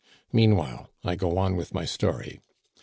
Meanwhile, I go on with my story.